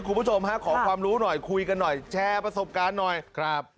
คุณผู้ชมฮะขอความรู้หน่อยคุยกันหน่อยแชร์ประสบการณ์หน่อยครับ